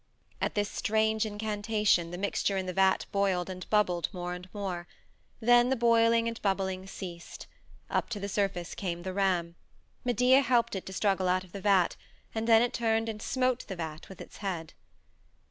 At this strange incantation the mixture in the vat boiled and bubbled more and more. Then the boiling and bubbling ceased. Up to the surface came the ram. Medea helped it to struggle out of the vat, and then it turned and smote the vat with its head.